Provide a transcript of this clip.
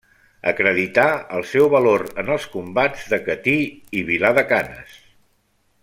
Acredità el seu valor en els combats de Catí i Vilar de Canes.